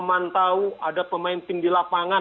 memantau ada pemain tim di lapangan